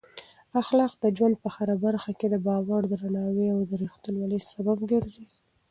اخلاق د ژوند په هره برخه کې د باور، درناوي او رښتینولۍ سبب ګرځي.